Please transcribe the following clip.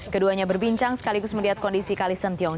keduanya berbincang sekaligus melihat kondisi kalisentiong